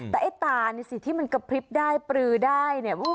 แต่ไอ้ตานี่สิที่มันกระพริบได้ปลือได้เนี่ย